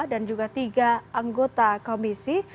dan juga tiga anggota komisi